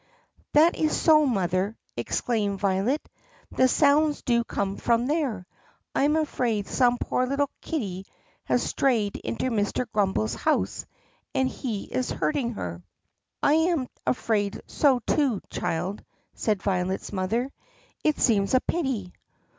"That is so, Mother!" exclaimed Violet. "The sounds do come from there. I am afraid some poor little kitty has strayed into Mr. Grummbel's house and he is hurting her." "I am afraid so too, child," said Violet's mother. "It seems a pity."